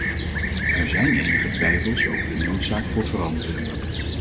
Er zijn enige twijfels over de noodzaak voor verandering.